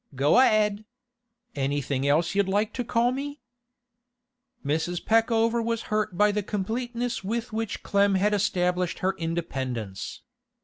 Go a'ead! Anything else you'd like to call me?' Mrs. Peckover was hurt by the completeness with which Clem had established her independence.